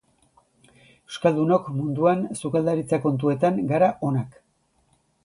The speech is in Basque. Euskaldunok munduan sukaldaritza kontuetan gara onak.